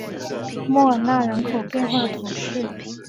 莫尔纳人口变化图示